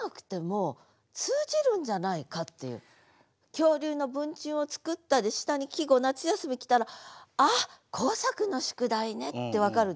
「恐竜の文鎮を作った」で下に季語「夏休」来たら「あっ工作の宿題ね」って分かるでしょ。